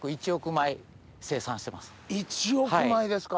１億枚ですか！